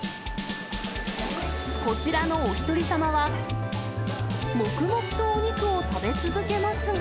こちらのおひとりさまは、黙々とお肉を食べ続けますが。